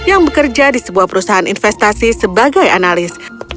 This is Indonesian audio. yang bekerja di sebuah perusahaan investasi sebagai analis